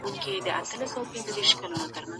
ماشومان د ژوند په اړه ډول ډول پوښتني کوي.